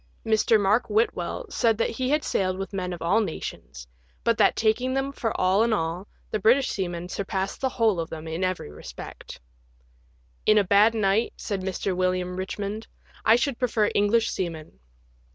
Mr, Mark Whitwell said that he had sailed with men of all nations, but that, taking them for all in all, the British seaman surpassed the whole of them in every respect. " In a bad night," said Mr. William Richmond, " I should prefer English seamen."